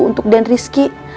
untuk den rizky